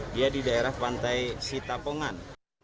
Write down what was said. dia di daerah pantai sitapongan